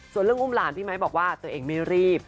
ส่วนเรื่องอุ้มหลานพี่ไมค์บอกว่าตัวเองไม่รีบ